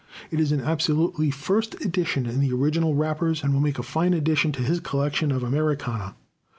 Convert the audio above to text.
It is an absolutely first edition, in the original wrappers, and will make a fine addition to his collection of Americana.